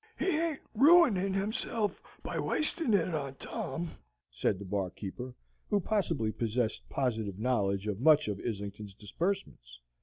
"He ain't ruinin' hisself by wastin' it on Tom," said the barkeeper, who possibly possessed positive knowledge of much of Islington's disbursements.